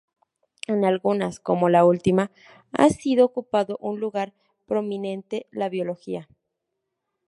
En algunas, como la última, ha seguido ocupando un lugar prominente la Biología.